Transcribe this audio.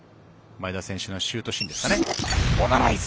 前田選手のシュートシーンですかね「ボナライズ」。